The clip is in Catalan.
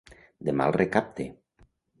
De mal recapte.